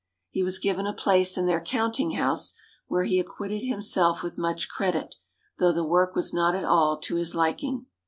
He was given a place in their counting house, where he acquitted himself with much credit, though the work was not at all to his liking.